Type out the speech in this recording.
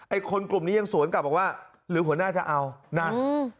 คนกลุ่มนี้ยังสวนกลับบอกว่าหรือหัวหน้าจะเอานั่นอืม